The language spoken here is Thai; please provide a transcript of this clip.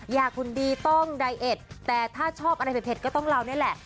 อยากหุ่นดีต้องไดเอ็ดแต่ถ้าชอบอะไรเผ็ดก็ต้องเรานี่แหละ